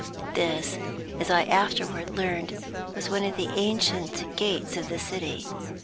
This (as I afterward learned) was one of the ancient gates of the city.